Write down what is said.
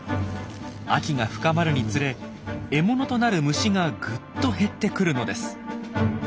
秋が深まるにつれ獲物となる虫がぐっと減ってくるのです。